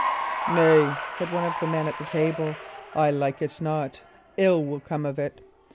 "Nay," said one of the men at the table, "I like it not. Ill will come of it.